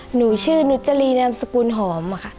หนูชื่อนุจรีนามสกุลหอมค่ะ